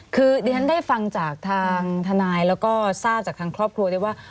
คือดิฉันได้ฟังจากทางทนายแล้วก็ทราบจากทางครอบครัวได้ว่า